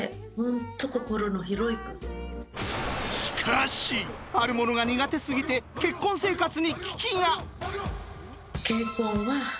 しかしあるものが苦手すぎて結婚生活に危機が。